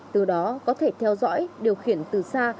từ đó có thể theo dõi điều khiển từ xa